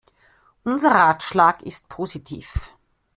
Unser Ratschlag ist positiv.